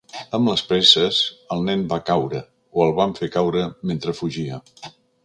Amb les presses, el nen va caure, o el van fer caure mentre fugia.